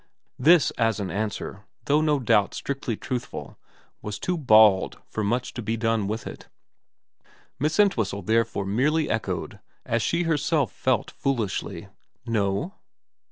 This as an answer, though no doubt strictly truthful, was too bald for much to be done with it. Miss Ent whistle therefore merely echoed, as she herself felt foolishly, ' No